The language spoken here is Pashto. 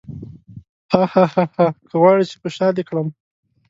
هاهاها که غواړې چې په شاه دې کړم.